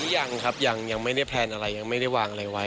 ยังครับยังไม่ได้แพลนอะไรยังไม่ได้วางอะไรไว้